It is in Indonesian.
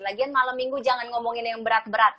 lagian malam minggu jangan ngomongin yang berat berat